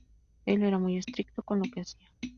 Él era muy estricto con lo que hacia.